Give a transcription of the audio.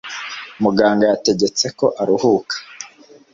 Muganga yategetse ko aruhuka.